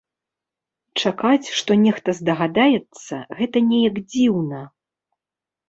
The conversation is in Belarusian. Чакаць, што нехта здагадаецца, гэта неяк дзіўна.